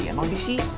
emang disitu kok